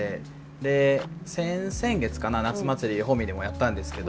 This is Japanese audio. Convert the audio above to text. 先々月かな夏祭り保見でもやったんですけど。